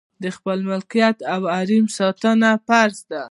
د خپل ملکیت او حریم ساتنه فرض ده.